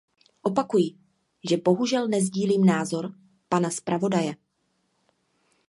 Opakuji, že bohužel nesdílím názor pana zpravodaje.